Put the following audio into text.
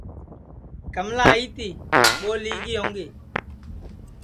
کملا آئی تی ٻو لی گی ہؤں گی